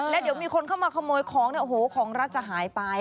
แล้วเดี๋ยวมีคนเข้ามาขโมยของของรัฐจะหายไป